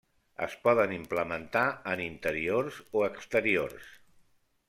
Es poden implementar en interiors o exteriors.